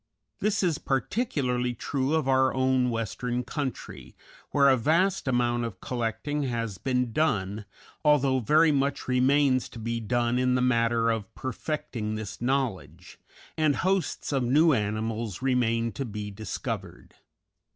This is particularly true of our own western country, where a vast amount of collecting has been done, although very much remains to be done in the matter of perfecting this knowledge, and hosts of new animals remain to be discovered.